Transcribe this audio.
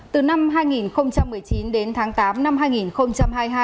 từ năm hai nghìn một mươi chín đến tháng tám năm hai nghìn hai mươi hai